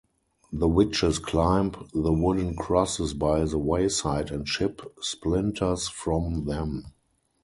The witches climb the wooden crosses by the wayside and chip splinters from them.